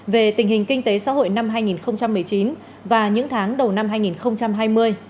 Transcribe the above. về tình hình kinh tế xã hội năm hai nghìn một mươi chín và những tháng đầu năm hai nghìn hai mươi